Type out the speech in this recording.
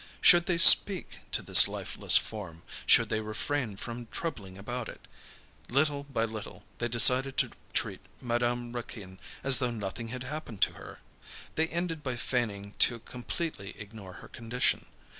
Should they speak to this lifeless form? Should they refrain from troubling about it? Little by little, they decided to treat Madame Raquin as though nothing had happened to her. They ended by feigning to completely ignore her condition.